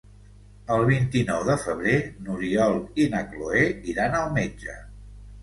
El vint-i-nou de febrer n'Oriol i na Cloè iran al metge.